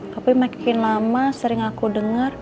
tapi makin lama sering aku dengar